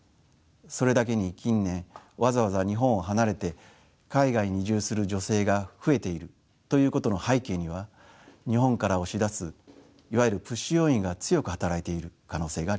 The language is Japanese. それだけに近年わざわざ日本を離れて海外に移住する女性が増えているということの背景には日本から押し出すいわゆるプッシュ要因が強く働いている可能性があります。